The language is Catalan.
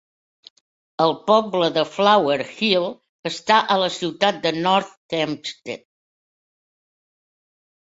El poble de Flower Hill està a la ciutat de North Hempstead.